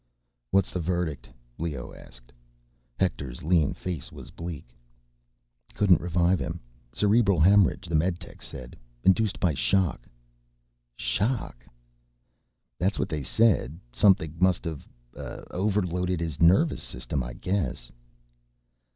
"What's the verdict?" Leoh asked. Hector's lean face was bleak. "Couldn't revive him. Cerebral hemorrhage, the meditechs said—induced by shock." "Shock?" "That's what they said. Something must've, uh, overloaded his nervous system ... I guess."